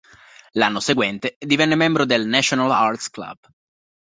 L'anno seguente divenne membro del "National Arts Club".